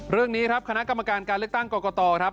เรื่องนี้ครับคณะกรรมการการเลขตั้งกรกฎ